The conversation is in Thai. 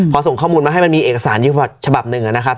พอส่งข้อมูลมาให้มันมีเอกสารอยู่ฉบับหนึ่งนะครับ